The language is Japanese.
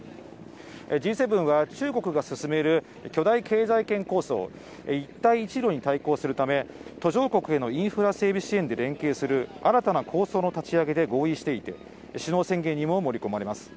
Ｇ７は中国が進める巨大経済圏構想、一帯一路に対抗するため、途上国へのインフラ整備支援で連携する新たな構想の立ち上げで合意していて、首脳宣言にも盛り込まれます。